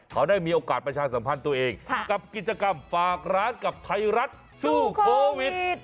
เขาได้มีโอกาสประชาสัมพันธ์ตัวเองกับกิจกรรมฝากร้านกับไทยรัฐสู้โควิด